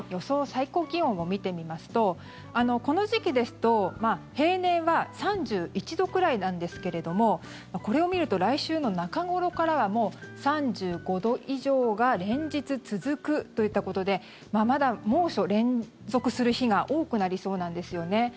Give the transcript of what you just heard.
最高気温を見てみますとこの時期ですと、平年は３１度くらいなんですけれどもこれを見ると来週の中ごろからはもう３５度以上が連日続くといったことでまだ猛暑、連続する日が多くなりそうなんですよね。